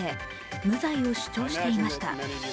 無罪を主張していました。